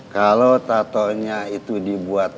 kalo tatoannya itu dibuat